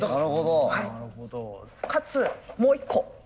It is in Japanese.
かつもう一個。